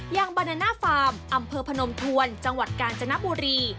อย่างบานาน่าฟาร์มอำเภอพนมทวนจังหวัดกาญจนบุรี